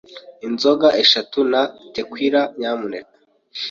Inzoga eshatu na tequila nyamuneka.